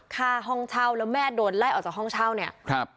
ห้องเช่าแล้วแม่โดนไล่ออกจากห้องเช่าเนี่ยครับ